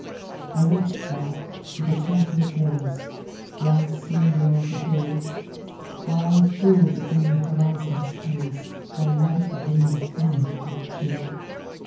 I watched her, with a tearful gaze, Rise slowly o'er the hill, While through the dim horizon's haze Her light gleamed faint and chill.